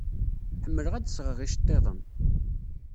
Ḥemmleɣ ad d-sɣeɣ iceḍḍiḍen.